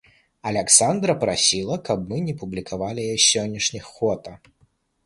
Аляксандра папрасіла, каб мы не публікавалі яе сённяшніх фота.